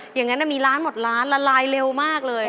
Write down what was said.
อย่างนั้นมีล้านหมดล้านละลายเร็วมากเลย